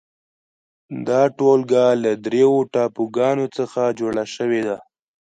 دا ټولګه له درېو ټاپوګانو څخه جوړه شوې ده.